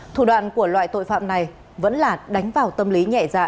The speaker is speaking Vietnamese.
thủ đoạn của loại tội phạm này vẫn là đánh vào tâm lý nhẹ dạ